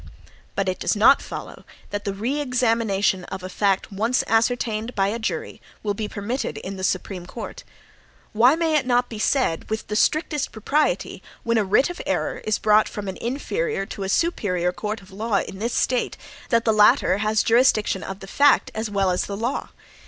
But it does not follow that the re examination of a fact once ascertained by a jury, will be permitted in the Supreme Court. Why may not it be said, with the strictest propriety, when a writ of error is brought from an inferior to a superior court of law in this State, that the latter has jurisdiction of the fact as well as the law?